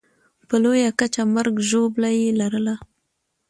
په لویه کچه مرګ ژوبله یې لرله.